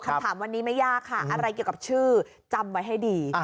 คำถามวันนี้ไม่ยากค่ะอะไรเกี่ยวกับชื่อจำไว้ให้ดี